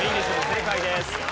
正解です。